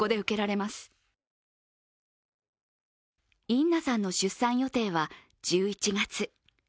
インナさんの出産予定は１１月。